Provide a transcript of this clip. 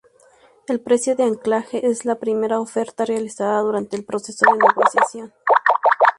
El precio de anclaje es la primera oferta realizada durante el proceso de negociación.